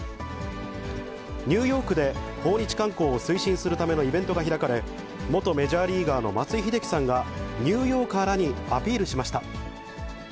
ニューヨークで訪日観光を推進するためのイベントが開かれ、元メジャーリーガーの松井秀喜さんが、ニューヨーカーらにアピールしました。